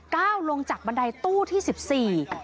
ก้าวลงจากบันไดตู้ที่๑๔